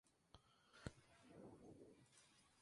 Es por tanto, una agricultura tradicional intensiva.